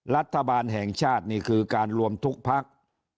รัฐบาลแห่งชาตินี่คือการรวมทุกพัก